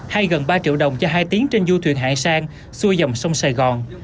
hay gần ba triệu đồng cho hai tiếng trên du thuyền hải sang xuôi dòng sông sài gòn